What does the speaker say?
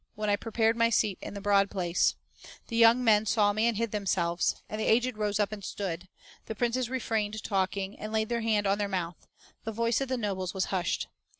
When I prepared my seat in the broad place, 1 The young men saw me and hid themselves, And the aged rose up and stood ; The princes refrained talking, And laid their hand on their mouth ; The voice of the nobles was hushed.